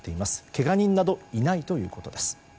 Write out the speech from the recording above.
けが人などいないということです。